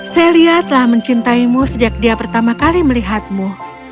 celia telah mencintaimu sejak dia pertama kali melihatmu